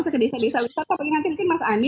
seke desa desa wisata mungkin nanti mas andi